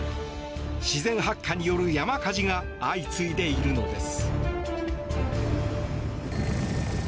自然発火による山火事が相次いでいるのです。